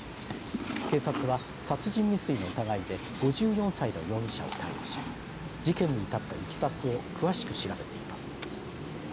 警察は殺人未遂の疑いで５４歳の容疑者を逮捕し事件に至ったいきさつを詳しく調べています。